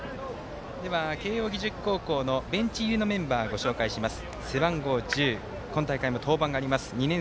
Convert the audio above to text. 慶応義塾高校のベンチ入りのメンバーご紹介します。